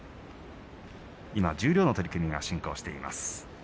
今、十両の取組が進行しています。